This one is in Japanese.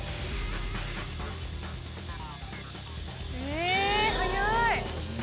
え早い！